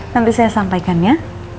nanti saya sampaikan ya